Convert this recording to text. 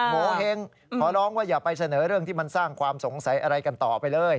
โงเห้งขอร้องว่าอย่าไปเสนอเรื่องที่มันสร้างความสงสัยอะไรกันต่อไปเลย